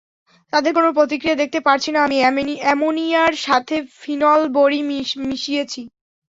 তাদের কোন প্রতিক্রিয়া দেখতে পারছি না আমি অ্যামোনিয়ার সাথে ফিনল বড়ি মিশিয়েছি।